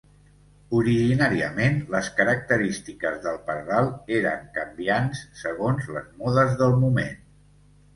Originàriament les característiques del pardal eren canviants segons les modes del moment.